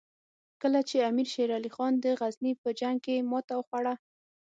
کله چې امیر شېر علي خان د غزني په جنګ کې ماته وخوړه.